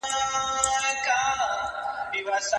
د زمانې په افسانو کي اوسېدلی چنار